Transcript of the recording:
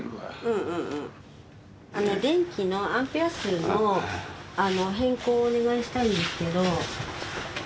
電気のアンペア数の変更をお願いしたいんですけど。